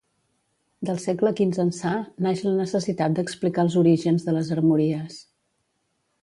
Del segle quinze ençà naix la necessitat d'explicar els orígens de les armories.